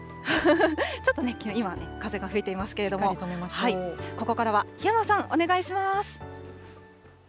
ちょっとね、今、風が吹いていますけれども、ここからは檜山さん、お願いします。